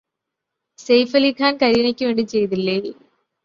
Saif Ali Khan കരീനക്ക് വേണ്ടി ചെയ്തില്ലേ